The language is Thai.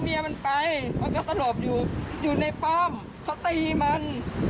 ไม่ก็มาอยู่บ้าน